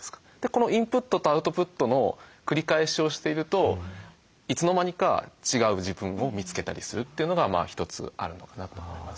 このインプットとアウトプットの繰り返しをしているといつの間にか違う自分を見つけたりするというのが一つあるのかなと思います。